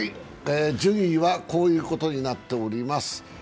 順位はこういうことになってます。